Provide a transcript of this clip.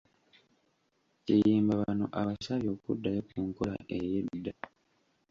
Kiyimba bano abasabye okuddayo ku nkola ey’edda